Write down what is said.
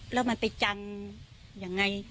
แล้วมันไปจังยังไง